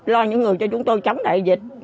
lo những người cho chúng tôi chống đại dịch